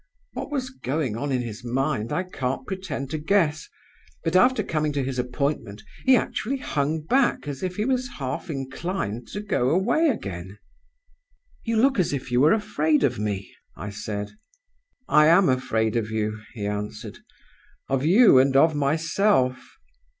What was going on in his mind I can't pretend to guess; but, after coming to his appointment, he actually hung back as if he was half inclined to go away again. "'You look as if you were afraid of me,' I said. "'I am afraid of you,' he answered 'of you, and of myself.